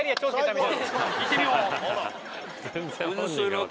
「いってみよー！」。